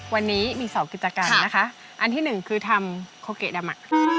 วันนี้มี๒กิจกรรมนะคะอันที่หนึ่งคือทำโคเกะดำ